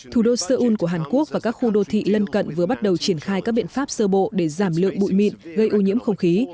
thủ đô seoul của hàn quốc và các khu đô thị lân cận vừa bắt đầu triển khai các biện pháp sơ bộ để giảm lượng bụi mịn gây ô nhiễm không khí